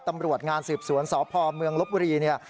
ตำรวจงานศูอิบสวนสพดบุรี